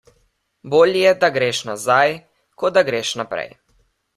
Bolje, da greš nazaj, kot da greš naprej.